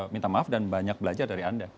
minta maaf dan banyak belajar dari anda